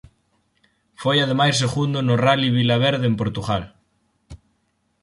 Foi ademais segundo no Rali Vila Verde en Portugal.